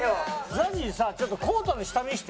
ＺＡＺＹさちょっとコートの下見せて。